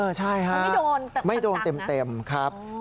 เออใช่ค่ะไม่โดนเต็มนะครับมันไม่โดนเต็มนะ